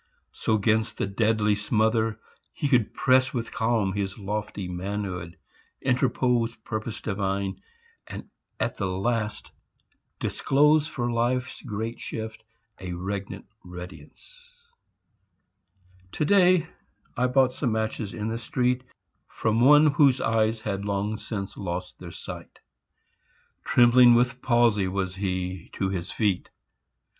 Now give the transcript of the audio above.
So 'gainst the deadly smother he could press With calm his lofty manhood; interpose Purpose divine, and at the last disclose For life's great shift a regnant readiness. To day I bought some matches in the street From one whose eyes had long since lost their sight. Trembling with palsy was he to his feet.